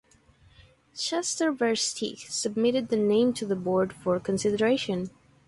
Chester Versteeg submitted the name to the board for consideration.